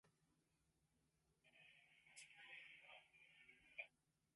米国留学中、授業内プレゼンで内容が理解されず笑われた経験がある。